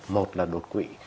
một là đột quỵ